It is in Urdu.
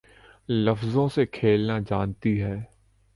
لفظوں سے کھیلنا جانتی ہے